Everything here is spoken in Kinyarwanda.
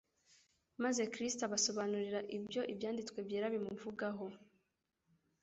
maze Kristo abasobanurira ibyo Ibyanditswe byera bimuvugaho.